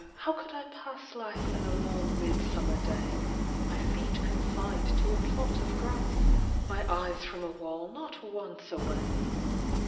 How I could pass Life in a long midsummer day, My feet confined to a plot of grass, My eyes from a wall not once away!